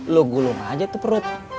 lo gulung aja tuh perut